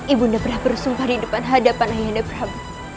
ibu undang berusung pada hadapan ayah undang